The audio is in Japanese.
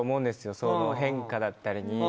その変化だったりに。